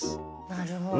なるほど。